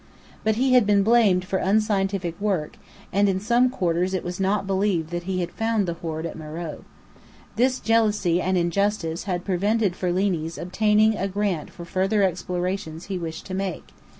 But he had been blamed for unscientific work, and in some quarters it was not believed that he had found the hoard at Meröe. This jealousy and injustice had prevented Ferlini's obtaining a grant for further explorations he wished to make.